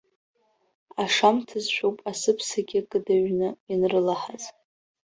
Ашамҭазшәоуп асыԥсагьы кыдыҩрны ианрылаҳаз.